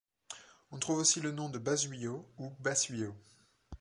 On trouve aussi le nom de Bazuiau ou Basuiau.